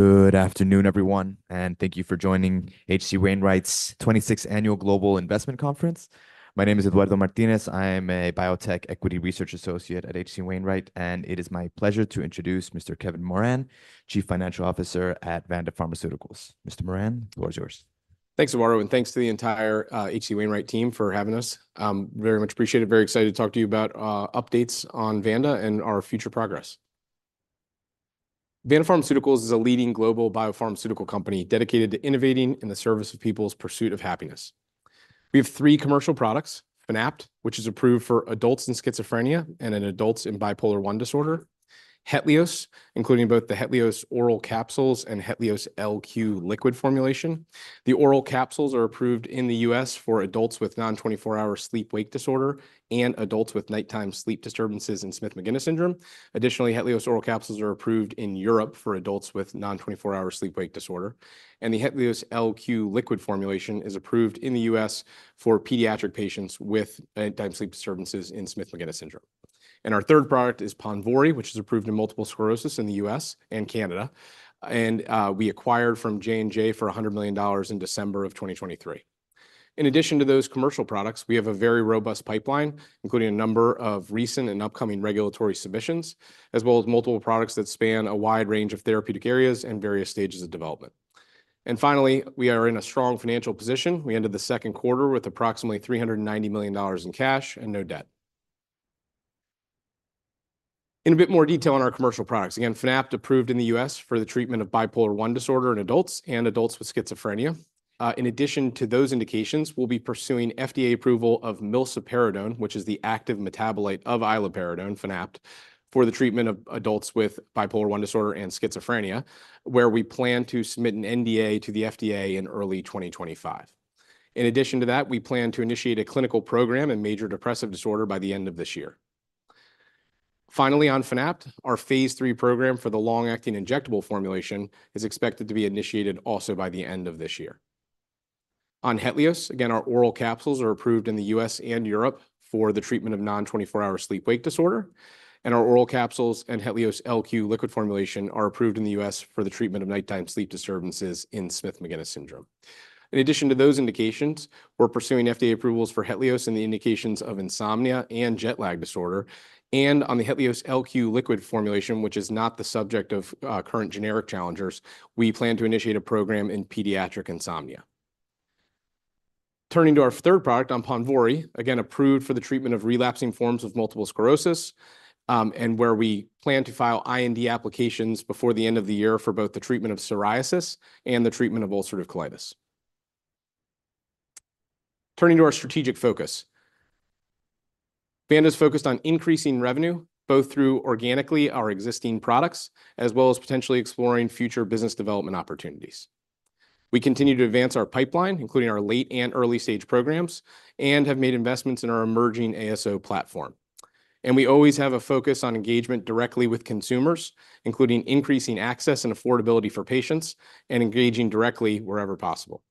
Good afternoon, everyone, and thank you for joining H.C. Wainwright's 26th Annual Global Investment Conference. My name is Eduardo Martinez. I am a biotech equity research associate at H.C. Wainwright, and it is my pleasure to introduce Mr. Kevin Moran, Chief Financial Officer at Vanda Pharmaceuticals. Mr. Moran, the floor is yours. Thanks, Eduardo, and thanks to the entire H.C. Wainwright team for having us. Very much appreciate it. Very excited to talk to you about updates on Vanda and our future progress. Vanda Pharmaceuticals is a leading global biopharmaceutical company dedicated to innovating in the service of people's pursuit of happiness. We have three commercial products: Fanapt, which is approved for adults in schizophrenia and in adults in bipolar I disorder. Hetlioz, including both the Hetlioz oral capsules and Hetlioz LQ liquid formulation. The oral capsules are approved in the U.S. for adults with non-twenty-four-hour sleep-wake disorder and adults with nighttime sleep disturbances in Smith-Magenis syndrome. Additionally, Hetlioz oral capsules are approved in Europe for adults with non-twenty-four-hour sleep-wake disorder, and the Hetlioz LQ liquid formulation is approved in the U.S. for pediatric patients with nighttime sleep disturbances in Smith-Magenis syndrome. Our third product is Ponvory, which is approved in multiple sclerosis in the U.S. and Canada, and we acquired from J&J for $100 million in December 2023. In addition to those commercial products, we have a very robust pipeline, including a number of recent and upcoming regulatory submissions, as well as multiple products that span a wide range of therapeutic areas and various stages of development. Finally, we are in a strong financial position. We ended the second quarter with approximately $390 million in cash and no debt. In a bit more detail on our commercial products. Again, Fanapt approved in the U.S. for the treatment of bipolar I disorder in adults and adults with schizophrenia. In addition to those indications, we'll be pursuing FDA approval of milsaperidone, which is the active metabolite of iloperidone, Fanapt, for the treatment of adults with bipolar I disorder and schizophrenia, where we plan to submit an NDA to the FDA in early 2025. In addition to that, we plan to initiate a clinical program in major depressive disorder by the end of this year. Finally, on Fanapt, our phase III program for the long-acting injectable formulation is expected to be initiated also by the end of this year. On Hetlioz, again, our oral capsules are approved in the U.S. and Europe for the treatment of non-24-hour sleep-wake disorder, and our oral capsules and Hetlioz LQ liquid formulation are approved in the U.S. for the treatment of nighttime sleep disturbances in Smith-Magenis syndrome. In addition to those indications, we're pursuing FDA approvals for Hetlioz in the indications of insomnia and jet lag disorder, and on the Hetlioz LQ liquid formulation, which is not the subject of, current generic challengers, we plan to initiate a program in pediatric insomnia. Turning to our third product on Ponvory, again, approved for the treatment of relapsing forms of multiple sclerosis, and where we plan to file IND applications before the end of the year for both the treatment of psoriasis and the treatment of ulcerative colitis. Turning to our strategic focus. Vanda's focused on increasing revenue, both through organically our existing products, as well as potentially exploring future business development opportunities. We continue to advance our pipeline, including our late and early-stage programs, and have made investments in our emerging ASO platform. We always have a focus on engagement directly with consumers, including increasing access and affordability for patients and engaging directly wherever possible.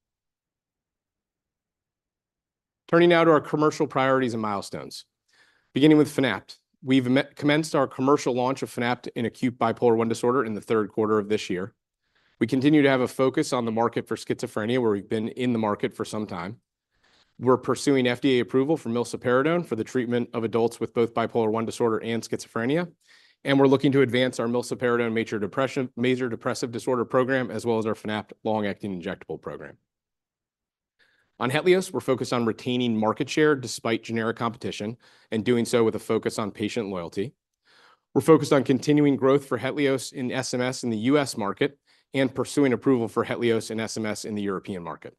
Turning now to our commercial priorities and milestones. Beginning with Fanapt, we've commenced our commercial launch of Fanapt in acute bipolar I disorder in the third quarter of this year. We continue to have a focus on the market for schizophrenia, where we've been in the market for some time. We're pursuing FDA approval for milsaperidone for the treatment of adults with both bipolar I disorder and schizophrenia, and we're looking to advance our milsaperidone major depressive disorder program, as well as our Fanapt long-acting injectable program. On Hetlioz, we're focused on retaining market share despite generic competition and doing so with a focus on patient loyalty. We're focused on continuing growth for Hetlioz in SMS in the U.S. market and pursuing approval for Hetlioz in SMS in the European market.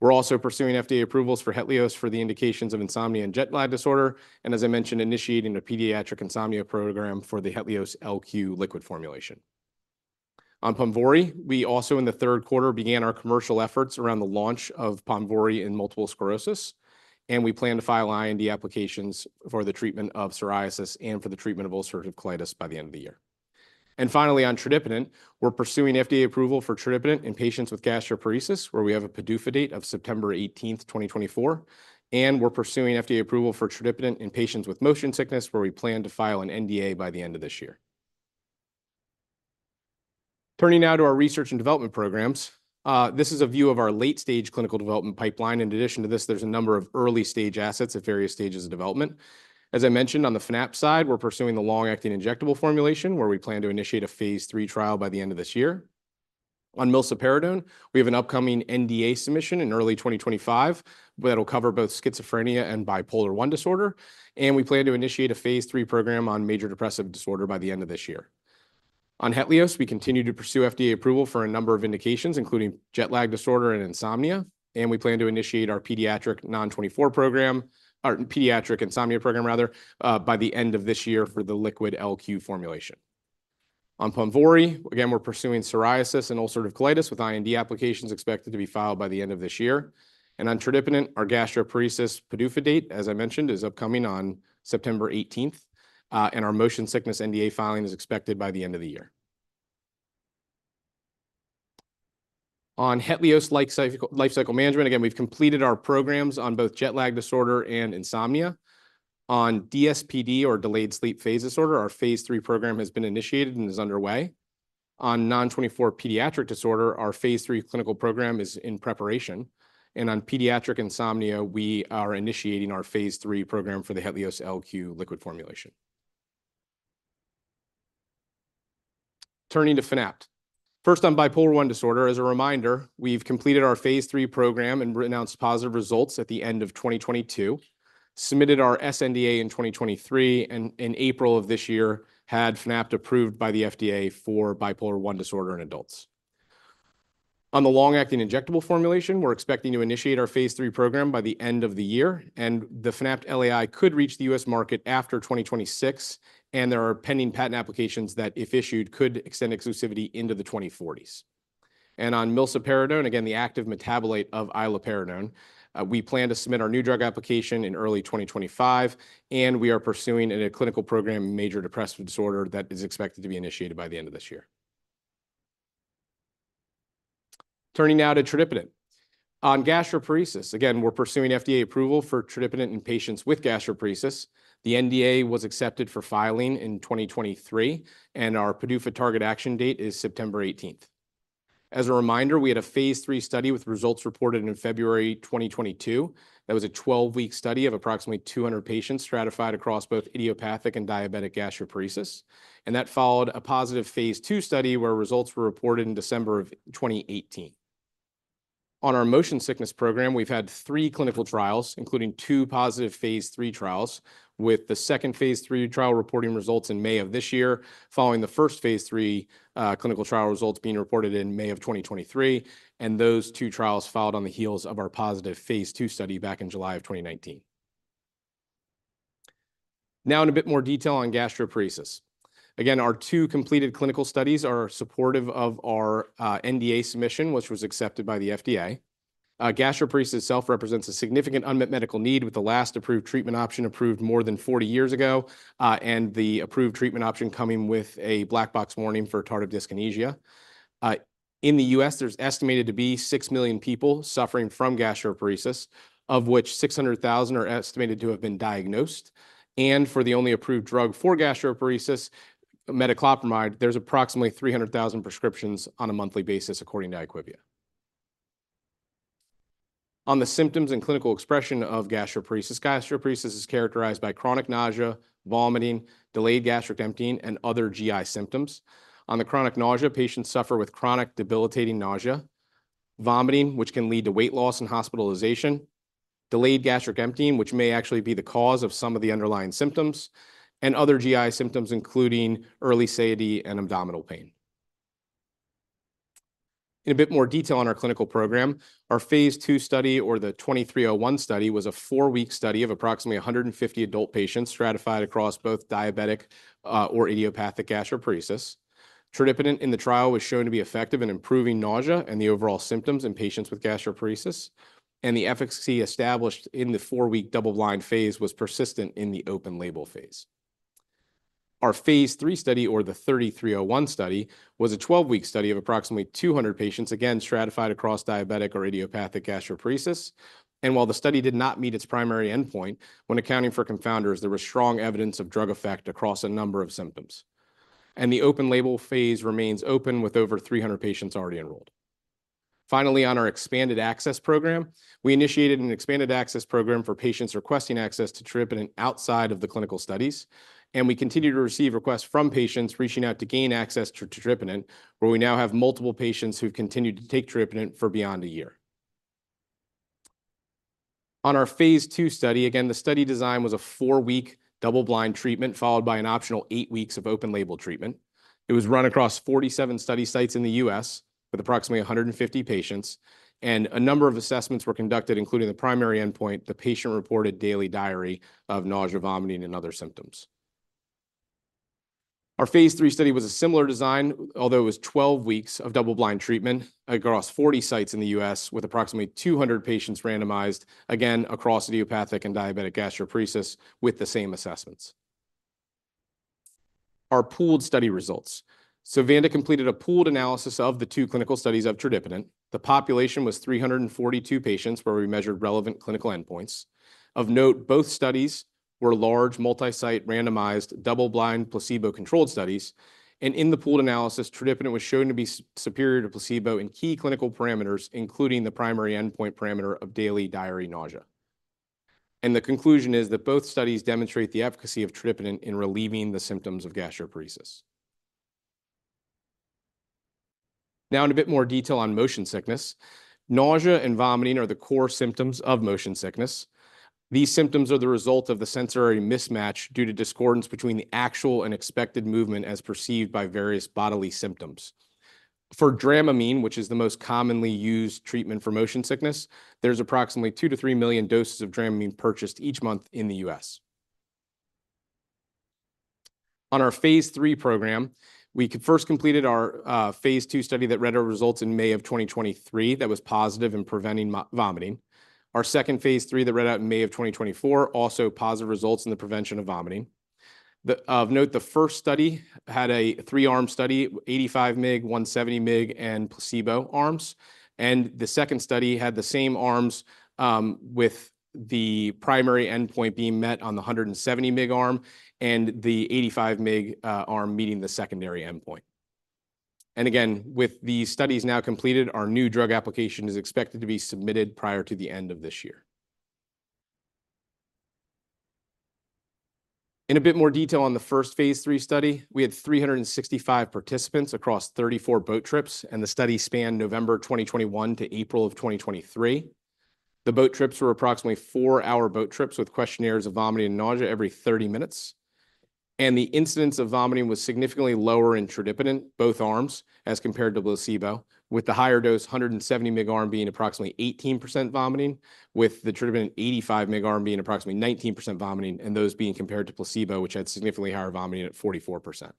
We're also pursuing FDA approvals for Hetlioz for the indications of insomnia and jet lag disorder, and as I mentioned, initiating a pediatric insomnia program for the Hetlioz LQ liquid formulation. On Ponvory, we also, in the third quarter, began our commercial efforts around the launch of Ponvory in multiple sclerosis, and we plan to file IND applications for the treatment of psoriasis and for the treatment of ulcerative colitis by the end of the year. And finally, on tradipitant, we're pursuing FDA approval for tradipitant in patients with gastroparesis, where we have a PDUFA date of September eighteenth, 2024, and we're pursuing FDA approval for tradipitant in patients with motion sickness, where we plan to file an NDA by the end of this year. Turning now to our research and development programs, this is a view of our late-stage clinical development pipeline. In addition to this, there's a number of early-stage assets at various stages of development. As I mentioned, on the Fanapt side, we're pursuing the long-acting injectable formulation, where we plan to initiate a phase III trial by the end of this year. On milsaperidone, we have an upcoming NDA submission in early 2025 that will cover both schizophrenia and bipolar I disorder, and we plan to initiate a phase III program on major depressive disorder by the end of this year. On Hetlioz, we continue to pursue FDA approval for a number of indications, including jet lag disorder and insomnia, and we plan to initiate our pediatric Non-24 program, or pediatric insomnia program rather, by the end of this year for the liquid LQ formulation. On Ponvory, again, we're pursuing psoriasis and ulcerative colitis, with IND applications expected to be filed by the end of this year. And on tradipitant, our gastroparesis PDUFA date, as I mentioned, is upcoming on September eighteenth, and our motion sickness NDA filing is expected by the end of the year. On Hetlioz lifecycle management, again, we've completed our programs on both jet lag disorder and insomnia. On DSPD or delayed sleep phase disorder, our phase 3 program has been initiated and is underway. On Non-24 pediatric disorder, our phase 3 clinical program is in preparation, and on pediatric insomnia, we are initiating our phase 3 program for the Hetlioz LQ liquid formulation. Turning to Fanapt. First, on bipolar I disorder, as a reminder, we've completed our phase III program and announced positive results at the end of 2022, submitted our sNDA in 2023, and in April of this year, had Fanapt approved by the FDA for bipolar I disorder in adults. On the long-acting injectable formulation, we're expecting to initiate our phase III program by the end of the year, and the Fanapt LAI could reach the U.S. market after 2026, and there are pending patent applications that, if issued, could extend exclusivity into the 2040s. On milsaperidone, again, the active metabolite of iloperidone, we plan to submit our new drug application in early 2025, and we are pursuing in a clinical program major depressive disorder that is expected to be initiated by the end of this year. Turning now to tradipitant. On gastroparesis, again, we're pursuing FDA approval for tradipitant in patients with gastroparesis. The NDA was accepted for filing in 2023, and our PDUFA target action date is September eighteenth. As a reminder, we had a phase III study with results reported in February 2022. That was a twelve-week study of approximately 200 patients stratified across both idiopathic and diabetic gastroparesis, and that followed a positive phase II study where results were reported in December of 2018. On our motion sickness program, we've had three clinical trials, including two positive phase III trials, with the second phase III trial reporting results in May of this year, following the first phase III clinical trial results being reported in May of 2023, and those two trials followed on the heels of our positive phase II study back in July of 2019. Now in a bit more detail on gastroparesis. Again, our two completed clinical studies are supportive of our NDA submission, which was accepted by the FDA. Gastroparesis itself represents a significant unmet medical need, with the last approved treatment option approved more than forty years ago, and the approved treatment option coming with a black box warning for tardive dyskinesia. In the U.S., there's estimated to be six million people suffering from gastroparesis, of which 600,000 are estimated to have been diagnosed, and for the only approved drug for gastroparesis, metoclopramide, there's approximately 300,000 prescriptions on a monthly basis, according to IQVIA. On the symptoms and clinical expression of gastroparesis, gastroparesis is characterized by chronic nausea, vomiting, delayed gastric emptying, and other GI symptoms. On the chronic nausea, patients suffer with chronic debilitating nausea, vomiting, which can lead to weight loss and hospitalization, delayed gastric emptying, which may actually be the cause of some of the underlying symptoms, and other GI symptoms, including early satiety and abdominal pain. In a bit more detail on our clinical program, our phase II study, or the 2301 study, was a four-week study of approximately 150 adult patients stratified across both diabetic or idiopathic gastroparesis. Tradipitant in the trial was shown to be effective in improving nausea and the overall symptoms in patients with gastroparesis, and the efficacy established in the four-week double-blind phase was persistent in the open label phase. Our phase III study, or the 3301 study, was a twelve-week study of approximately 200 patients, again, stratified across diabetic or idiopathic gastroparesis. And while the study did not meet its primary endpoint, when accounting for confounders, there was strong evidence of drug effect across a number of symptoms. And the open label phase remains open, with over 300 patients already enrolled. Finally, on our expanded access program, we initiated an expanded access program for patients requesting access to tradipitant outside of the clinical studies, and we continue to receive requests from patients reaching out to gain access to tradipitant, where we now have multiple patients who've continued to take tradipitant for beyond a year. On our phase II study, again, the study design was a four-week double-blind treatment, followed by an optional eight weeks of open label treatment. It was run across 47 study sites in the U.S., with approximately 150 patients, and a number of assessments were conducted, including the primary endpoint, the patient-reported daily diary of nausea, vomiting, and other symptoms. Our phase III study was a similar design, although it was 12 weeks of double-blind treatment across 40 sites in the U.S., with approximately 200 patients randomized, again, across idiopathic and diabetic gastroparesis with the same assessments. Our pooled study results. Vanda completed a pooled analysis of the two clinical studies of tradipitant. The population was 342 patients, where we measured relevant clinical endpoints. Of note, both studies were large, multi-site, randomized, double-blind, placebo-controlled studies, and in the pooled analysis, tradipitant was shown to be superior to placebo in key clinical parameters, including the primary endpoint parameter of daily diary nausea. The conclusion is that both studies demonstrate the efficacy of tradipitant in relieving the symptoms of gastroparesis. Now in a bit more detail on motion sickness. Nausea and vomiting are the core symptoms of motion sickness. These symptoms are the result of the sensory mismatch due to discordance between the actual and expected movement as perceived by various bodily symptoms. For Dramamine, which is the most commonly used treatment for motion sickness, there's approximately two to three million doses of Dramamine purchased each month in the U.S. On our phase III program, we first completed our phase II study that read out results in May of 2023 that was positive in preventing vomiting. Our second phase III that read out in May of 2024, also positive results in the prevention of vomiting. Of note, the first study had a three-arm study, 85 mg, 170 mg, and placebo arms, and the second study had the same arms, with the primary endpoint being met on the 170 mg arm, and the 85 mg arm meeting the secondary endpoint, and again, with the studies now completed, our new drug application is expected to be submitted prior to the end of this year. In a bit more detail on the first phase III study, we had 365 participants across 34 boat trips, and the study spanned November 2021 to April of 2023. The boat trips were approximately 4-hour boat trips, with questionnaires of vomiting and nausea every 30 minutes. The incidence of vomiting was significantly lower in tradipitant in both arms, as compared to placebo, with the higher dose, 170-mg arm, being approximately 18% vomiting, with the tradipitant 85-mg arm being approximately 19% vomiting, and those being compared to placebo, which had significantly higher vomiting at 44%.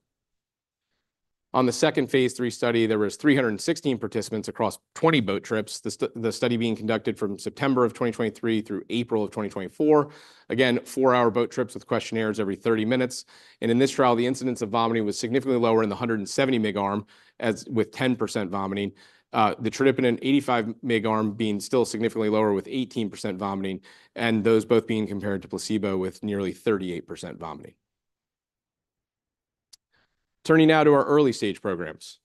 On the second phase III study, there were 316 participants across 20 boat trips. The study being conducted from September of 2023 through April of 2024. Again, four-hour boat trips with questionnaires every 30 minutes, and in this trial, the incidence of vomiting was significantly lower in the 170-mg arm, as with 10% vomiting. The tradipitant 85-mg arm being still significantly lower with 18% vomiting, and those both being compared to placebo with nearly 38% vomiting. Turning now to our early-stage programs.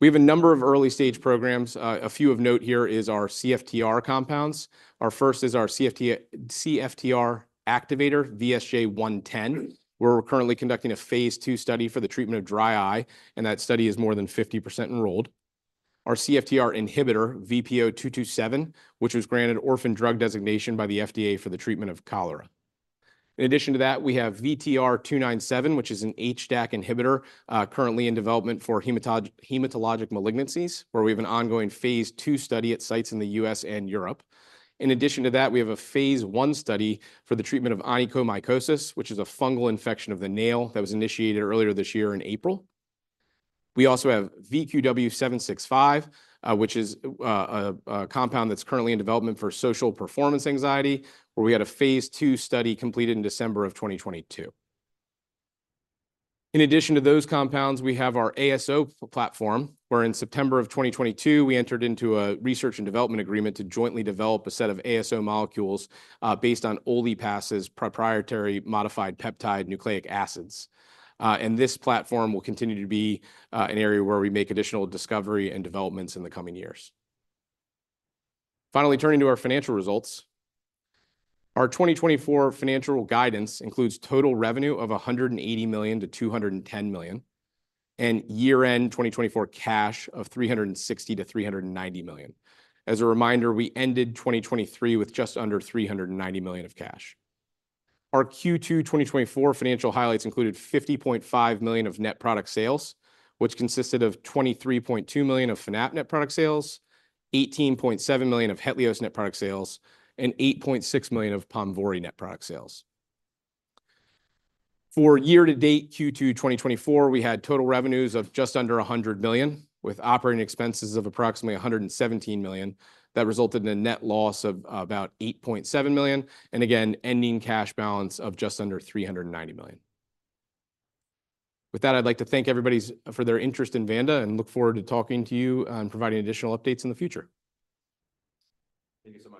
We have a number of early-stage programs. A few of note here is our CFTR compounds. Our first is our CFTR activator, VSJ-110. We're currently conducting a phase II study for the treatment of dry eye, and that study is more than 50% enrolled. Our CFTR inhibitor, VPO-227, which was granted orphan drug designation by the FDA for the treatment of cholera. In addition to that, we have VTR-297, which is an HDAC inhibitor, currently in development for hematologic malignancies, where we have an ongoing phase II study at sites in the U.S. and Europe. In addition to that, we have a phase I study for the treatment of onychomycosis, which is a fungal infection of the nail, that was initiated earlier this year in April. We also have VQW-765, which is, a compound that's currently in development for social performance anxiety, where we had a phase II study completed in December of 2022. In addition to those compounds, we have our ASO platform, where in September of 2022, we entered into a research and development agreement to jointly develop a set of ASO molecules, based on OliPass's proprietary modified peptide nucleic acids. And this platform will continue to be, an area where we make additional discovery and developments in the coming years. Finally, turning to our financial results. Our 2024 financial guidance includes total revenue of $180 million-$210 million, and year-end 2024 cash of $360 million-$390 million. As a reminder, we ended 2023 with just under $390 million of cash. Our Q2 2024 financial highlights included $50.5 million of net product sales, which consisted of $23.2 million of Fanapt net product sales, $18.7 million of Hetlioz net product sales, and $8.6 million of Ponvory net product sales. For year to date, Q2 2024, we had total revenues of just under $100 million, with operating expenses of approximately $117 million. That resulted in a net loss of about $8.7 million, and again, ending cash balance of just under $390 million. With that, I'd like to thank everybody for their interest in Vanda and look forward to talking to you and providing additional updates in the future. Thank you so much. Thank you so much, Mr-?